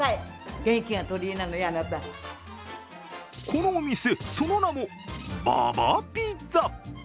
このお店、その名もＢａＢａピザ。